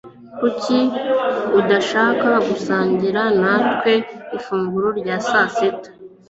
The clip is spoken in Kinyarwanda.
Kuki udashaka gusangira natwe ifunguro rya sasita?